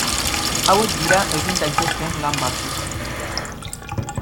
Hauek dira egin daitezkeen lan batzuk.